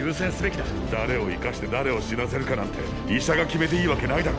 誰を生かして誰を死なせるかなんて医者が決めていいわけないだろ。